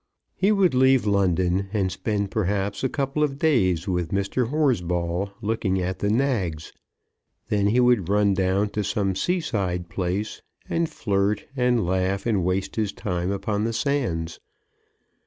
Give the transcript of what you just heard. He would leave London, and spend perhaps a couple of days with Mr. Horsball looking at the nags. Then he would run down to some sea side place, and flirt and laugh and waste his time upon the sands.